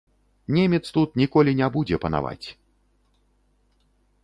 Немец тут ніколі не будзе панаваць.